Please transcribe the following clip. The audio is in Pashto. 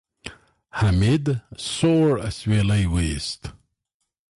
حميد سوړ اسويلی وېست.